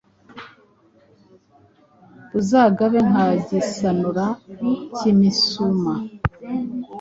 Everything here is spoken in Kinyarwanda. Uzagabe nka Gisanura, kimisuma